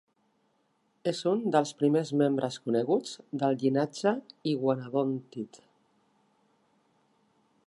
És un dels primers membres coneguts del llinatge iguanodòntid.